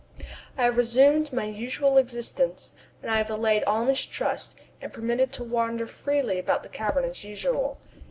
I have resumed my usual existence, and having allayed all mistrust, am permitted to wander freely about the cavern, as usual.